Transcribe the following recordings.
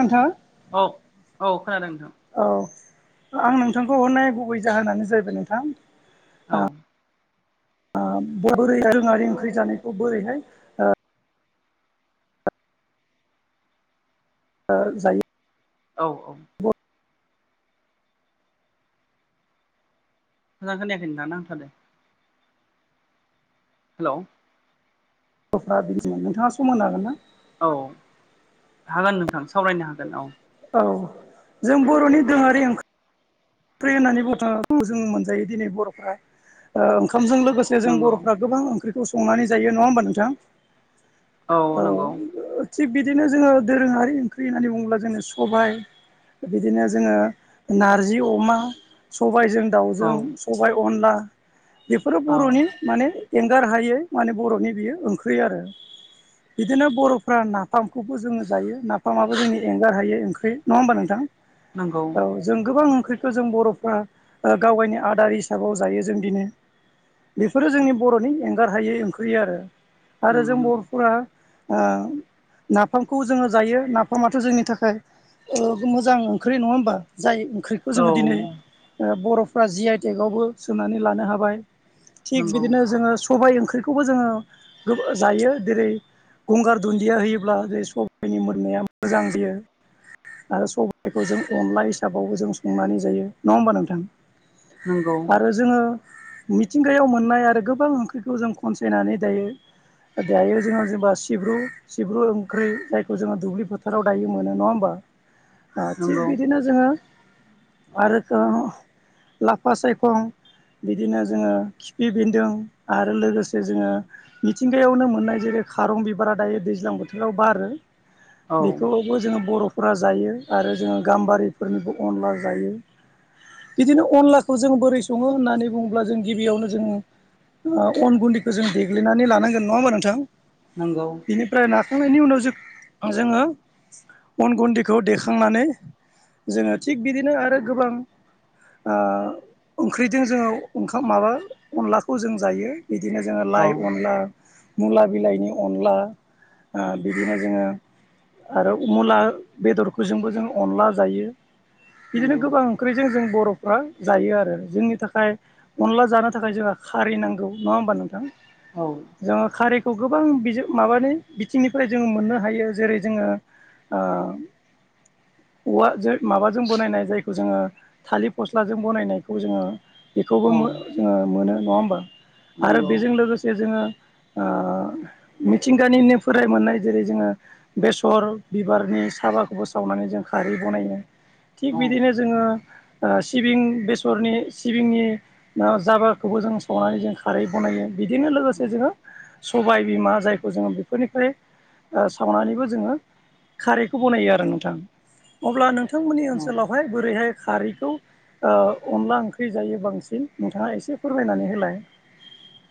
नोंथां औ औ खोनादों नोंथां। औ आं नोंथांखौ हरनाय गुबै जाहोनानो जाहैबाय नोंथां औ बोरै दोरोङारि ओंख्रि जानायखौ बोरैहाय ओ जायो औ औ मोजां खोनायाखै नोंथां नांथादो। हेल' [unintelligible] नोंथाङा सम होनो हागोन ना? औ हागोन नोंथां सावरायनो हागोन औ। औ जों बर'नि दोरोङारि ओं ख्रि होननानै बुंनो थाङो जों मोनजायो दिनै बर'फ्रा ओंखामजों लोगो से जों नंगौ बर'फ्रा गोबां ओंख्रिखौ संनानै जायो नङा होमबा नोंथां? औ नंगौ औ थिग बिदिनो जोङो दोरोङारि ओंख्रि होननानै बुङोब्ला जोङो सबाय, बिदिनो जोङो नार जि अमा, सबायजों औ दाउजों, सबाय अनला बेफोरो औ बर'नि माने एंगार हायै माने बर'नि बियो ओंख्रि आरो बिदिनो बर'फ्रा ना फामखौबो जोङो जायो नाफामाबो जोंनि एंगार हायै ओंख्रि नङा होमबा नोंथां? नोंगौ। औ जों गोबां ओंख्रिखौ जों बर'फ्रा गावगायनि आदार हिसाबाव जायो जों दिनै बेफोरो जोंनि बर'नि एंगार हायै ओंख्रि आरो नंगौ जों नंगौ बर'फोरा अ नाफामखौ जोङो जायो नाफामाथ' जोंनि थाखाय मोजां ओंख्रि नङा होमबा जाय ओंख्रि खौ औ जोङो दिनै बर'फ्रा जि आइ टेकावबो सोंनानै लानो हाबाय थिग नंगौ बिदिनो जोङो सबाय ओंख्रिखौबो जोङो जायो जेरै गंगार दुन्दिया होयोब्ला बे सबाइनि मोननाया मोजां जायो आरो सबाइखौ जों अनला हिसाबावबो जों संनानै जायो नङा होमबा नोंथां? नोंगौ आरो जोङो मिथिंगायाव मोननाय आरो गोबां ओंख्रिखौ जों खनसायनानै दायो दायो जोङो जेनेबा सिब्रु सिब्रु ओंख्रि जायखौ जोङो दुब्लि फोथाराव दायो मोनो नङा होमबा? थिग नंगौ बिदिनो जोङो आरो लाफा सायखं बिदिनो जोङो खिफि बेन्दों आरो लोगोसे जोङो मिथिंगायावनो मोननाय जेरै खारं बिबारा दायो दैज्लां बोथोराव बारो औ बेखौबो जोङो बर'फोरा जायो आरो जोङो गाम्बारिफोरनिबो अनला जायो बिदिनो अनलाखौ जों बोरै सङो होननानै बुङोब्ला जों गिबियावनो जों अन गुन्दैखौ जों देग्लिनानै लानांगोन नङा होमबा नोंथां? नोंगौ बेनिफ्राय नाखांनायनि उनाव जो जोङो अन गुन्दैखौ देखांनानै जोङो थिग बिदिनो आरो गोबां ओंख्रिजों जोङो ओंखाम माबा अनलाखौ जों जायो बिदिनो जोङो औ लाइ अनला मुला बिलाइनि अनला बिदिनो जोङो आरो मुला बेदरखौ जोंबो जों अनला जायो बिदिनो नंगौ गोबां ओंख्रिजों जों बर'फ्रा जायो आरो जोंनि थाखाय अनला जानो थाखाय जोंहा खारै नांगौ नङा होमबा नोंथां? औ जोङो खारैखौ गोबां माबानि बिथिंनिफ्राय जोङो मोननो हायो जेरै जोङो ओ अवाजो माबाजों बनायनाय जायखौ जोङो थालिर फस्लाजों बनायनायखौ जोङो औ बेखौबो मो जोङो मोनो नङा होमबा आरो नंगौ बेजों लोगोसे जोङो ओ मिथिंगानिनो फोराय मोननाय जेरै जोङो बेसर बिबारनि साबाखौबो सावनानै जों खारै बनायो। औ थिग बिदिनो जोङो ओ सिबिं, बेसरनि सिबिंनि जाबारखौबो जों संनानै जों खारै बनायो बिदिनो लोगोसे जोङो सबाय बिमा जायखौ जोङो बेफोरनिफ्राय ओ सावनानैबो जोङो खारैखौ बनायो आरो नोंथां। अब्ला नोंथांमोननि औ ओनसोलावहाय बोरैहाय खारैखौ ओ अनला ओंख्रि जायो बांसिन नोंथाङा एसे फोरमायनानै होलाय।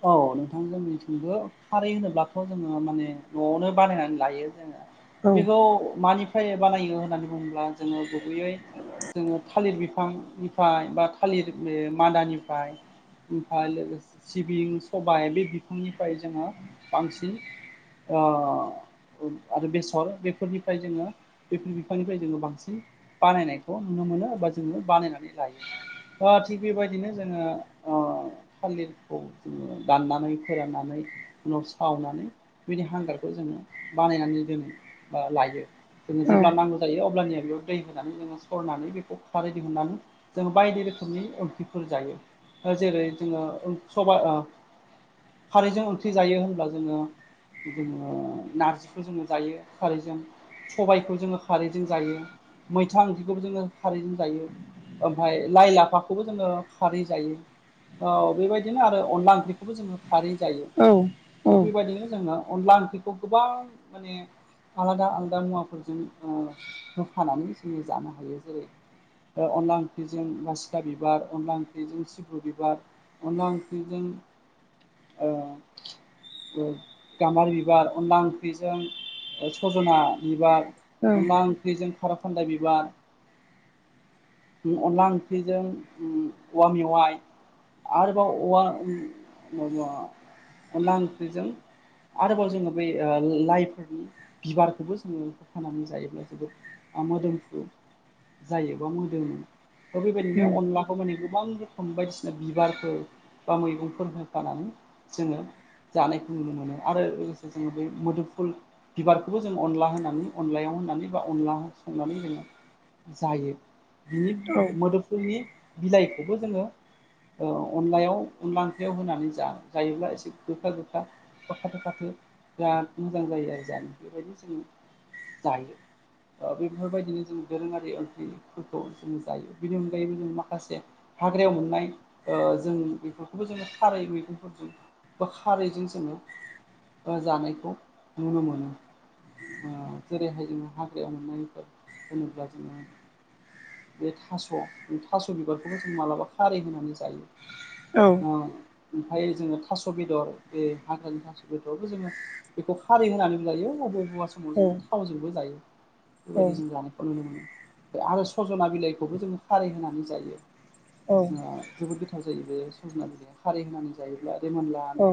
औ नोंथां। जोंनिथिंबो खारै होनोब्लाथ जोङो माने नआवनो बानायनानै लायो। जोङो। [inaudible] बेखौ मानिफ्राय बानायो होननानै बुङोब्ला जोङो गुबैयै जोङो थालिर बिफांनिफ्राय, बा थालिर बे मादानिफाय ओमफाय लोगोसे सिबिं सबाय बे बिफांनिफाय जोङो बांसिन अ। आरो बेसर बेफोरनिफ्राय जोङो बेफोर बिफांनिफ्राय जोङो बांसिन बानायनायखौ नुनो मोनो बा जोङो बानायनानै लायो। ओ थिग बे बायदिनो जोङो ओ थालिर खौ जोङो दाननानै फोराननानै उनाव सावनानै बिदि हांगारखौ जोङो बानायनानै दोनो बा लायो। जोङो औ जेब्ला नांगौ जायो अब्लानिया बेयाव दै होनानै जोङो सरनानै बेखौ खारै दिहुननानै जों बायदि रोखोमनि ओंख्रिफोर जायो। ओ जेरै जोङो ओं सबाइ ओ खारैजों ओंख्रि जायो होनब्ला जोङो जोङो नारजिखौ जोङो जायो खारिजों, सबायखौ जोङो खारिजों जायो, मैथा ओंख्रिखौबो जोङो खारिजों जायो, ओमफाय लाइ लाफाखौबो जोङो खारै जायो, औ बे बाय बिदिनो आरो अनला ओंख्रिखोबो जोङो खारै जायो, औ थिक बे बायदिनो जोङो अनला ओंख्रि खौ गोबां माने आलादा आलादा मुवाफोरजों ओ होफानानै जोङो जानो हायो। जेरै- ओ अनला ओंख्रिजों बासिखा बिबार, अनला ओंख्रिजों सिब्रु बिबार, अनला ओंख्रिजों ओ ओ गाम्बारि बिबार, अनला ओंख्रिजों सजना बिबार, अनला ओंख्रिजों खार खानदाय बिबार, ओ अनला ओंख्रिजों ओ औवा मेवाइ, आरोबाव औवा ओ अनला ओंख्रिजों आरोबाव जोङो बै ओ लाइफोरनि बिबारखोबो जोङो होफानानै जायोब्ला जोबोद ओ मोदोमफ्रु जायो बा मोदोमो। थ बे बायदिनो अनलाखौ मानि गोबां रोखोम बायदिसिना बिबार फोर बा मैगंफोर होफानानै जोङो जानायखौ नुनो मोनो आरो लोगोसे जोङो बेै मोदोमफुल बिबारखोबो जों अनला होनानै अनलायाव होनानै बा अनला संनानै जोङो जायो। बिनि औ। मोदोमफुलनि बिलाइखौबो जोङो ओ अनलायाव अनला ओंख्रियाव होनानै जा जायोब्ला एसे गोखा गोखा बा खाथो खाथो बिराद मोजां जायो आरो जानो। बे बायदि जों जायो। ओ बेफोरबायदिनो जों दोरोङारि ओंख्रिफोरखौ जों जायो। बेनि अनगायैबो जों माखासे हाग्रायाव मोननाय ओ जों बेफोरखौबो जोंङो खारै मैगंफोरजों बा खारैजों जोङो ओ जानायखौ नुनो मोनो। जेरैहाय जोङो हाग्रा मोननायफोर होनोब्ला जोङो बे थास' थास' बिबारखौबो जों मालाबा खारै होनानै जायो। औ ओमफ्राय जोङो थास' बेदर बे हाग्रानि थास' बेदरबो जोङो बेखौ खारै होननानै लायो आरो समाव जोङो थावजोंबो जायो। औ बेबायदि जों जानायखौ नुनो मोनो। ओ आरो सजना बिलाइखौबो जोङो खारै होनानै जायो औ जोबोद गोथाव जायो बे सजना बिलाया खारै होनानै जायोब्ला रै मोनलाानो औ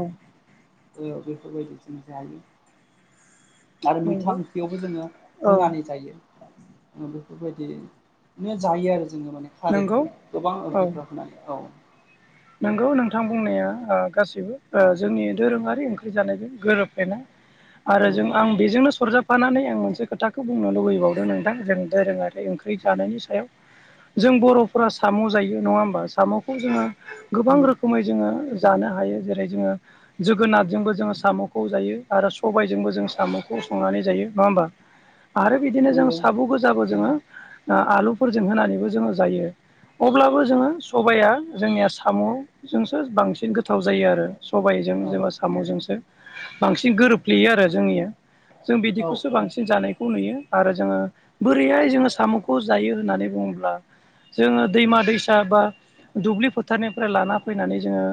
ओ बेफोरबायदि जों जायो आरो मैथा ओंख्रियावबो जोङो होनानै जायो ओ बेफोरबायदिनो जायो आरो जोङो माने नंगौ खारैखौ नंगौ गोबां ओंख्रिफ्रा होनानै औ नोंगौ नोंथां बुंनाया गासैबो जोंनि दोरोङारि ओंख्रि जानायजों गोरोबफलेनाय आरो औ जों आं बेजोंनो सरजाब फानानै आं मोनसे खोथाखौ बुंनो लुुबैबावदों नोंदां जों दोरोङारि ओंख्रि जानायनि सायाव जों बर'फोरा साम' जायो नङा होमबा साम'खौ जोङो गोबां नंगौ रोखोमै जोङो जानो हायो जेरै जोङो जोगोनारजोंबो जोङो साम'खौ जायो आरो सबायजोंबो जों साम'खौ संनानै जायो नङा होमबा आरो बिदिनो जों नंगौ साब' गोजाबो जोङो आलुफोरजों होनानैबो जोङो जायो अब्लाबो जोङो सबाया जोंनिया साम'जोंसो बांसिन गोथाव जायो आरो सबायाइजों औ जेनबा साम'जोंसो बांसिन गोरोबफ्लेयो आरो जोंनिया जों औ बिदिखौसो औ बांसिन जानायखौ नुयो आरो जोङो बोरैहाय जोङो साम'खौ जायो होननानै बुङोब्ला जोङो दैमा दैसा बा दुब्लि फोथारनिफ्राय लाना फैनानै जोङो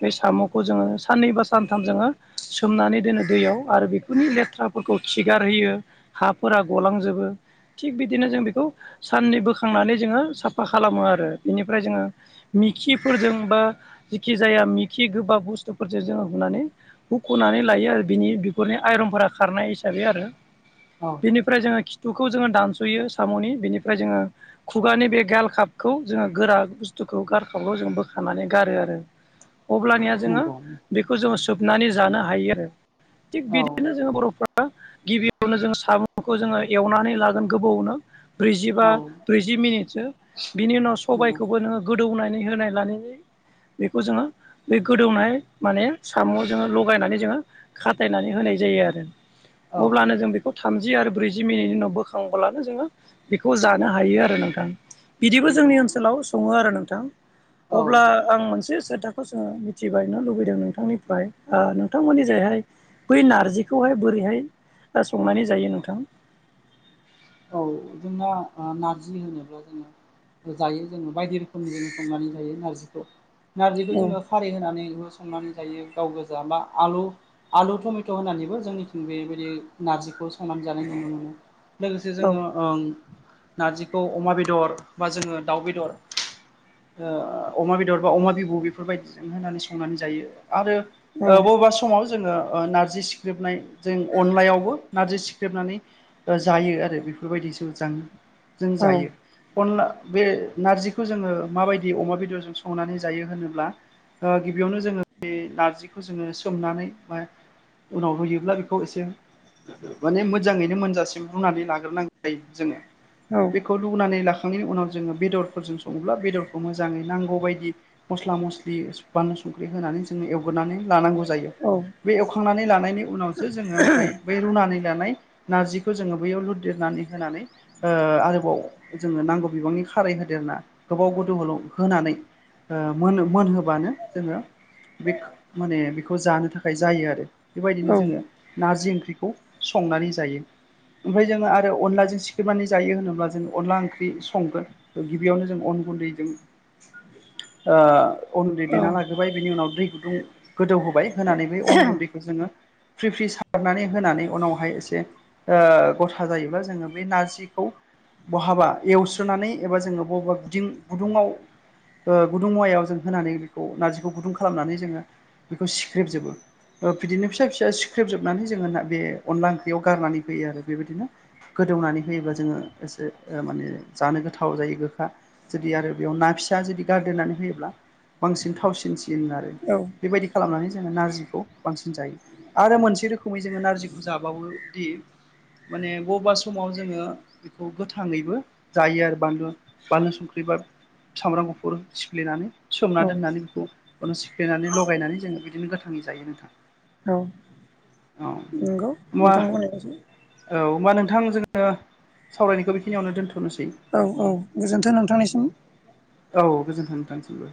बे साम'खौ जोङो साननै बा सानथाम जोङो सोमनानै दोनो दैयाव आरो बेखौ खुनि लेथ्राफोरखौ खिगारहोयो हाफोरा गलांजोबो थिग बिदिनो जों बेखौ साननै बोखांनानै जोङो साफा खालामो आरो बेनिफ्राय जोङो मिखिफोरजों बा जिखि जाया मिखि गोबाब बुस्थुफोरजों जोङो हुनानै हखनानै लायो आरो बिनि बेफोरनि आइरनफोरा खारनाय हिसाबै आरो औ बेनिफ्राय जोङो खिथुखौ जोङो दानस'यो साम'नि बेनिफ्राय जोङो खुगानि बे गाल खापखौ जोङो गोरा बस स्थुखौ गारखाबखौ जों बोखानानै गारो आरो अब्लानिया जोङो नंगौ खौ जोङो सोबनानै जानो हायो आरो थिग औ बिदिनो जोङो बर'फ्रा गिबियावनो जोङो साबुंखौ जोङो एवनानै लागोन गोबावनो ब्रैजिबा औ ब्रैजि जि मिनिटसो बिनि उनाव नंगौ सबायाइखौबो नोङो गोदौनानै होनाय लानानै बेखौ जोङो बे गोदौनाय माने साम' जोङो लगायनानै जोङो खाथायनानै होनाय जायो आरो औ अब्लानो जों बेखौ खौ थामजि आरो ब्रैजि मिनिटनि उनाव बोखांब्लानो जोङो बेखौ जानो हायो आरो नोंथां बिदिबो नंगौ जोंनि ओनसोलाव सङो आरो नोंथां औ अब्ला आं मोनसे सोथाखौ जोङो मिथिबायनो लुबैदों नोंथांनिफ्राय ओ औ नोंथांमोननि जायहाय बै नारजिखौहाय बोरैहाय दा संनानै जायो नोंथां औ जोंना नारजि होनोब्ला जोङो जायो जोङो बायदि रोखोमनि जोङो संनानै जायो नारजिखौ नारजिखौ औ जोङो खारि होनानैबो संनानै जायो गाव गोजा बा आलु आलु टमेट' होननानैबो जोंनिथिं बेबायदि नारजिखौ संनानै जानाय नुनो मोनो लोगोसे औ जोङो ओं नारजिखौ अमा बेदर बा जोङो दाउ बेदर ओ अमा बेदर बा अमा बिबु बेफोरबायदिजों होनानै संनानै जायो आरो ओ औ बबेबा समाव जोङो नारजि सिख्रेबनाय जों अनलायावबो नार्जि सिख्रेबनानै ओ जायो आरो बेफोरबायदिसो जां जों जायो औ अनला बे नारजिखौ जोङो माबायदि अमा बेदरजों संनानै जायो होनोब्ला ओ गिबियावनो जोङो बे नारजिखौ जोङो सोमनानै उनाव रूयोब्ला बेखौ एसे माने मोजाङैनो मोनजासिम रुनानै लाग्रोनांग जायो जोङो औ बेखौ रूनानै लाखांनायनि उनाव जोङो बेदरफोरजों सङोब्ला बेदरखौ मोजाङै नांगौ बायदि मस्ला मस्लि बानलु संख्रि होनानै जोंङो एवग्रोनानै लानांगौ जायो औ बे एवखांनानै लानायनि उनावसो जोङो ओमफ्राय बै रुनानै लानाय नारजि खौ जोङो बैयाव लुदेरनानै होनानै ओ आरोबाव जोङो नांगौ बिबांनि खारै होदेरना गोबाव गोदौल' होनानै ओ मोनो मोनहोबानो जोङो बिख माने बिखौ जानो थाखाय जायो आरो बेबायदिनो औ जोङो नारजि ओंख्रिखौ संनानै जायो। ओमफाय जोङो आरो अनलाजों सिख्रेबनानै जायो होनोब्ला जों अनला ओंख्रि संगोन। गिबियावनो जों अन गुन्दैजों ओ अन गुन्दै देना लाग्रोबाय बिनि उनाव दै गुदुं गोदौ होबाय होनानै बे अन गुन्दैखौ जोङो फ्रि फ्रि सारनानै होनानै उनावहाय एसे ओ ग'था जायोबा जोङो बे नारजिखौ बहाबा एवस्रोनानै एबा जोङो बबेबा गुदि गुदुङाव ओ गुदुं मुवायाव जों होनानै बेखौ नारजिखौ गुदुं खालामनानै जोङो बिखौ सिख्रेब जोबो बिदिनो फिसा-फिसा सिख्रेबजोबनानै जोङो बे अनला ओंख्रियाव गारनानै होयो आरो बेबायदिनो गोदौनानै होयोबा जोङो एसे माने जानो गोथाव जायो गोखा। जुदि आरो बेयाव ना फिसा जुदि गारदेरनानै होयोब्ला बांसिन थावसिनसिन आरो। औ बेबायदि खालामनानै जोङो नारजिखौ बांसिन जायो। आरो मोनसे रोखोमै जोङो नारजिखौ जाबावोदि माने बबेबा समाव जोङो बेखौ गोथाङैबो जायो आरो बानलु बानलु संख्रि बा सामब्राम गुफुर सिफ्लेनानै। सोमना औ दोननानै बेखौ [unintelligible] सिफ्लेनानै ल'गायनानै जोङो बिदिनो गोथाङै जायो नोंथां। औ औ नंगौ [inaudible] होमबा औ होनबा नोंथां जोङो सावरायनायखौ बेखिनियावनो दोन्थ'नोसै। औ औ गोजोन्थों नोंथांनिसिम। औ गोजोन्थों नोंथांनिसिमबो।